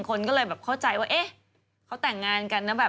คนก็เลยแบบเข้าใจว่าเอ๊ะเขาแต่งงานกันนะแบบ